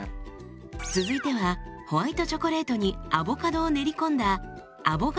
続いてはホワイトチョコレートにアボカドを練り込んだほんとに鮮やか。